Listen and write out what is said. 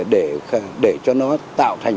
để cho nó tạo thành